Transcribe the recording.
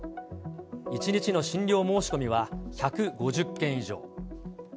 １日の診療申し込みは１５０件以上。